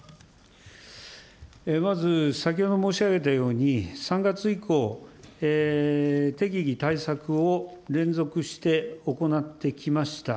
まず先ほど申し上げたように、３月以降、適宜対策を連続して行ってきました。